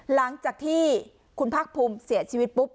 หลังจากที่คุณภาคภูมิเสียชีวิตปุ๊บ